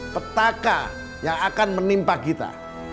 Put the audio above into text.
petaka yang akan menimpa kita